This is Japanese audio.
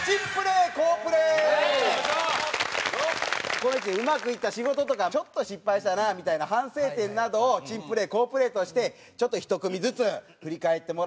この１年うまくいった仕事とかちょっと失敗したなみたいな反省点などを珍プレー好プレーとしてちょっと１組ずつ振り返ってもらいます。